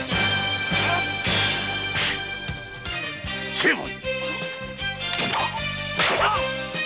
成敗！